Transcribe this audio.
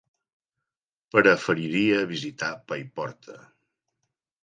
Preferiria visitar Paiporta.